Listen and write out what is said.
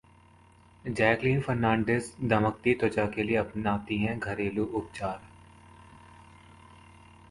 Jacqueline Fernandez दमकती त्वचा के लिए अपनाती हैं घरेलू उपचार